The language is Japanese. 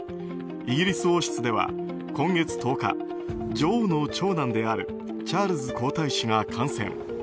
イギリス王室では今月１０日女王の長男であるチャールズ皇太子が感染。